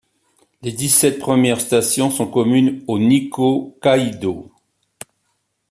Les dix-sept premières stations sont communes au Nikkō Kaidō.